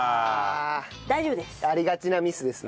大丈夫です。